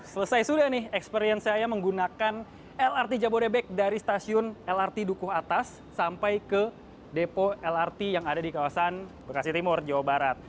selesai sudah nih experience saya menggunakan lrt jabodebek dari stasiun lrt dukuh atas sampai ke depo lrt yang ada di kawasan bekasi timur jawa barat